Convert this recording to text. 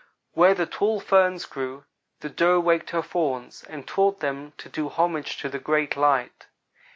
Where the tall ferns grew, the Doe waked her Fawns, and taught them to do homage to the Great Light.